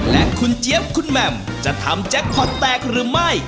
และคุณเจี๊ยบคุณแหม่มจะทำแจ็คพอร์ตแตกหรือไม่